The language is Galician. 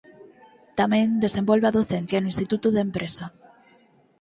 Tamén desenvolve a docencia no Instituto de Empresa.